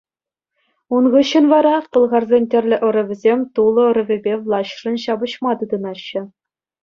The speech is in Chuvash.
Ун хыҫҫӑн вара пӑлхарсен тӗрлӗ ӑрӑвӗсем Тулӑ ӑрӑвӗпе влаҫшӑн ҫапӑҫма тытӑнаҫҫӗ.